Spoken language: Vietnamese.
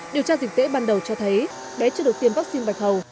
điều tra dịch tễ ban đầu cho thấy bé chưa được tiêm vaccine bạch hầu